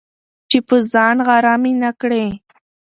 چي په ځان غره مي نه کړې،